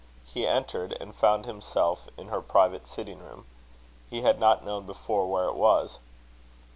He entered, and found himself in her private sitting room. He had not known before where it was.